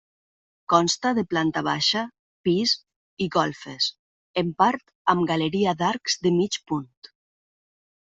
Consta de planta baixa, pis i golfes, en part amb galeria d'arcs de mig punt.